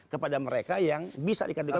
kepada mereka yang bisa dikatakan